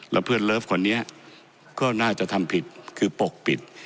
แล้วเพื่อนเลิฟคนนี้ก็น่าจะทำผิดคือปกปิด